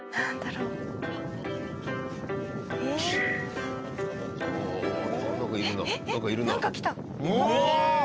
うわ！